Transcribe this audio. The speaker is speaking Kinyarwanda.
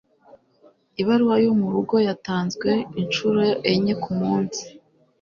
Ibaruwa yo murugo yatanzwe inshuro enye kumunsi.